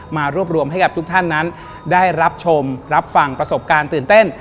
มารวบรวมให้กับทุกท่านนั้นได้รับชมรับฟังประสบการณ์ตื่นเต้น